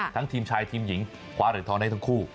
ทีมชายทีมหญิงคว้าเหรียญทองได้ทั้งคู่